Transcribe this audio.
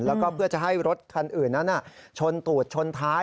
แล้วก็เพื่อจะให้รถคันอื่นนั้นชนตูดชนท้าย